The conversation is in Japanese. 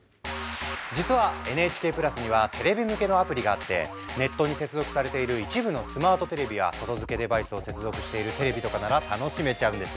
実はＮＨＫプラスにはテレビ向けのアプリがあってネットに接続されている一部のスマートテレビや外付けデバイスを接続しているテレビとかなら楽しめちゃうんです。